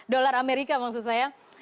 dolar amerika maksud saya